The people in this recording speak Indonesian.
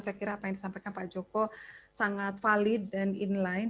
saya kira apa yang disampaikan pak joko sangat valid dan inline